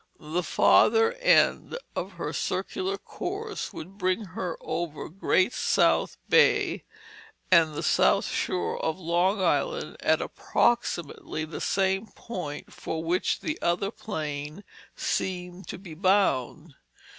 The farther end of her circular course would bring her over Great South Bay and the South shore of Long Island at approximately the same point for which the other plane seemed to be bound.